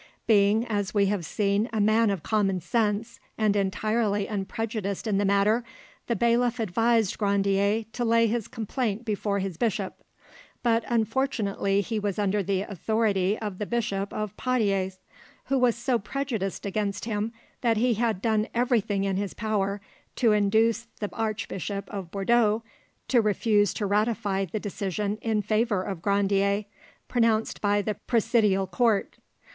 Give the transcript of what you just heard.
Being, as we have seen, a man of common sense and entirely unprejudiced in the matter, the bailiff advised Grandier to lay his complaint before his bishop; but unfortunately he was under the authority of the Bishop of Poitiers, who was so prejudiced against him that he had done everything in his power to induce the Archbishop of Bordeaux to refuse to ratify the decision in favour of Grandier, pronounced by the presidial court.